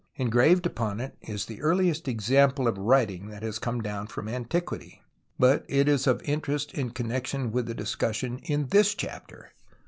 Engraved upon it is the earliest example of li 106 TUTANKHAMEN writing that has come down from antiquity : but it is of interest in connexion Avith the discussion in this chapter.